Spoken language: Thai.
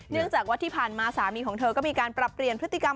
เนื่องจากว่าที่ผ่านมาสามีของเธอก็มีการปรับเปลี่ยนพฤติกรรม